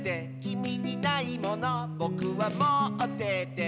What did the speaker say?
「きみにないものぼくはもってて」